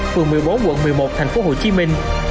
phường một mươi bốn quận một mươi một thành phố hồ chí minh